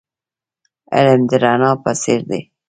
علم د رڼا په څیر دی .